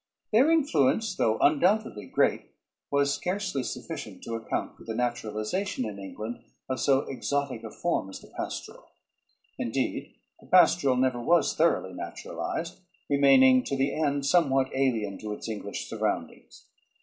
Their influence, though undoubtedly great, was scarcely sufficient to account for the naturalization in England of so exotic a form as the pastoral. Indeed the pastoral never was thoroughly naturalized, remaining to the end somewhat alien to its English surroundings.